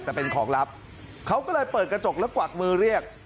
แต่เป็นของลับเขาก็เลยเปิดกระจกแล้วกวักมือเรียก